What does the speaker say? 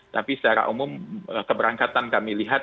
tapi secara umum keberangkatan kami lihat